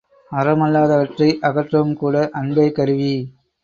அறமல்லாதவற்றை அகற்றவும் கூட அன்பே கருவி!